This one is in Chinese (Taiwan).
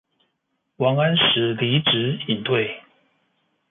王安石離職引退